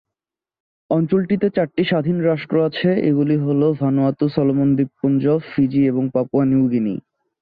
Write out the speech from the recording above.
অঞ্চলটিতে চারটি স্বাধীন রাষ্ট্র আছে; এগুলি হল ভানুয়াতু, সলোমন দ্বীপপুঞ্জ, ফিজি এবং পাপুয়া নিউ গিনি।